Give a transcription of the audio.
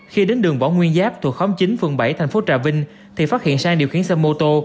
khi đến đường võ nguyên giáp thuộc khóm chín phường bảy thành phố trà vinh thì phát hiện sang điều khiển xe mô tô